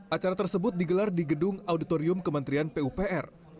acara tersebut digelar di gedung auditorium kementerian pupr